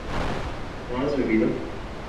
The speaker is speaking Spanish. no has bebido